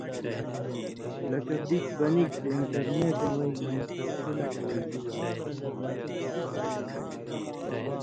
لکہ بِس بنِگ تھہ چے انٹرنیٹَیں وجہۡ نہ مہ سبقی لا پورژِگا۔